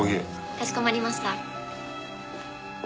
かしこまりました。